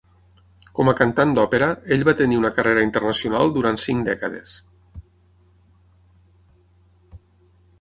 Com a cantant d'òpera, ell va tenir una carrera internacional durant cinc dècades.